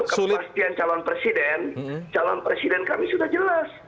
tapi kalau untuk kepastian calon presiden calon presiden kami sudah jelas